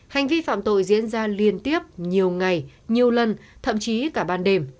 hành vi phạm tội diễn ra liên tiếp nhiều ngày nhiều lần thậm chí cả ban đêm